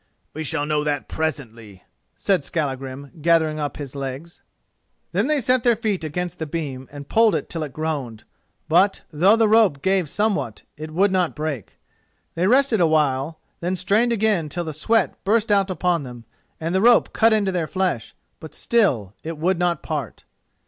"We shall know that presently," said Skallagrim, gathering up his legs. Then they set their feet against the beam and pulled till it groaned; but, though the rope gave somewhat, it would not break. They rested a while, then strained again till the sweat burst out upon them and the rope cut into their flesh, but still it would not part.